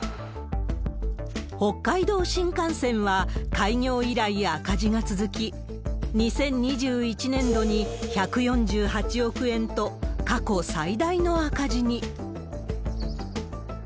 北海道新幹線は開業以来、赤字が続き、２０２１年度に１４８億円と、過去最大の赤字に。